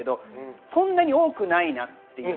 そんなに多くないなという感じ。